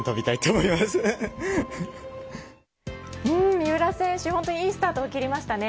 三浦選手、本当にいいスタートを切りましたね。